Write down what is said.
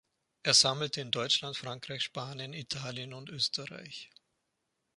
Er sammelte in Deutschland, Frankreich, Spanien, Italien und Österreich.